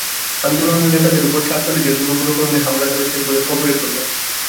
আন্দোলনের নেতাদের ওপরে ছাত্রলীগের কোনো কোনো কর্মী হামলা করেছেন বলে খবরে প্রকাশ।